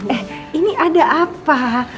eh ini ada apa